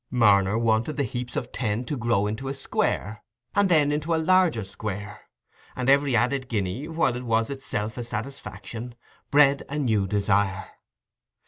Marner wanted the heaps of ten to grow into a square, and then into a larger square; and every added guinea, while it was itself a satisfaction, bred a new desire.